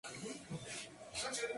Nació en Bernard, una ciudad de Iowa.